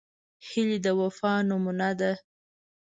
هیلۍ د وفا نمونه ده